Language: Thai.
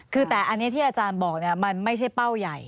คือแต่อันนี้ที่อาจารย์บอกมันไม่ใช่เป้าใหญ่